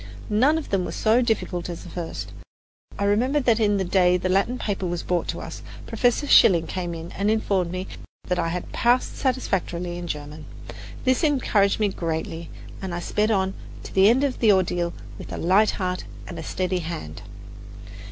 None of them was so difficult as the first. I remember that the day the Latin paper was brought to us, Professor Schilling came in and informed me I had passed satisfactorily in German. This encouraged me greatly, and I sped on to the end of the ordeal with a light heart and a steady hand.